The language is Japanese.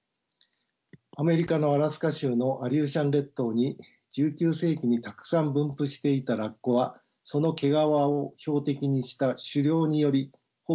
アメリカのアラスカ州のアリューシャン列島に１９世紀にたくさん分布していたラッコはその毛皮を標的にした狩猟によりほぼ絶滅し磯焼けが起こりました。